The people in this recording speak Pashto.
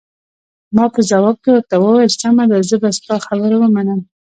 ما په ځواب کې ورته وویل: سمه ده، زه به ستا خبره ومنم.